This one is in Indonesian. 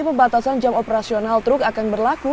pembatasan jam operasional truk akan berlaku